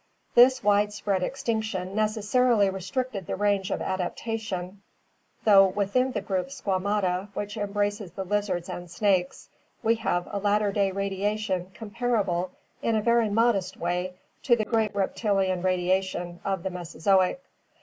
This widespread extinction necessarily restricted the range of adaptation, though within the group Squa mata, which embraces the lizards and snakes, we have a latter day radiation comparable in a very modest way to the great reptilian radiation of the Mesozoic.